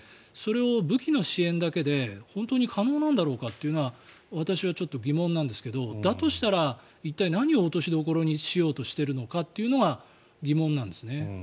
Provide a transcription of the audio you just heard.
それを武器の支援だけで本当に可能なんだろうかというのは私は疑問なんですけどだとしたら、一体何を落としどころにしようとしているのかが疑問なんですね。